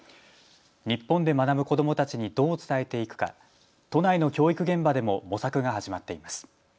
日本で学ぶ子どもたちにどう伝えていくか、都内の教育現場でも模索が始まっています。